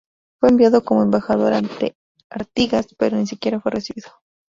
Fue enviado como embajador ante Artigas, pero ni siquiera fue recibido.